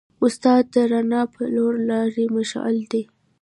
استاد د رڼا په لور د لارې مشعل دی.